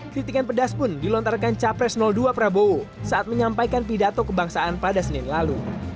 kritikan pedas pun dilontarkan capres dua prabowo saat menyampaikan pidato kebangsaan pada senin lalu